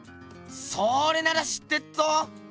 それなら知ってっぞ！